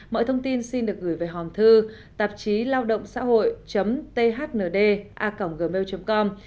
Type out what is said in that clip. mọi thông tin xin được gửi về hòn thư tạp chí laodộngxãhội thnda gmail com